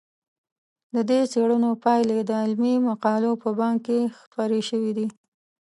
د دې څېړنو پایلې د علمي مقالو په بانک کې خپرې شوي دي.